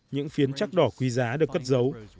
những phiến chắc đỏ quý giá được cất dấu